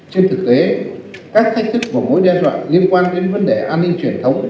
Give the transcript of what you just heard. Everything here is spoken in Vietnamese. trên thực tế các thách thức và mối đe dọa liên quan đến vấn đề an ninh truyền thống